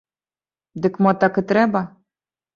Дык, мо, так і трэба?